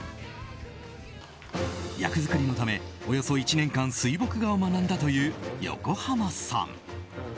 役作りのため、およそ１年間水墨画を学んだという横浜さん。